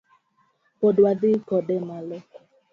Pod wadhi kode malo